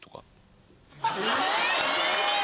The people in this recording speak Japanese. え！